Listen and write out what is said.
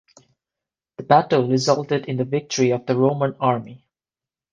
The battle resulted in the victory of the Roman army.